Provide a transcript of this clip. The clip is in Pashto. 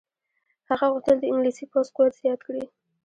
هغه غوښتل د انګلیسي پوځ قوت زیات کړي.